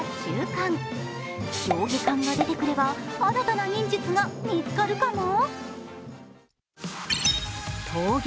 上下巻が出てくれば新たな忍術見つかるかも。